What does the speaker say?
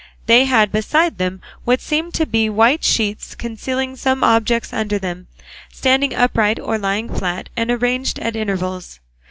They had beside them what seemed to be white sheets concealing some objects under them, standing upright or lying flat, and arranged at intervals.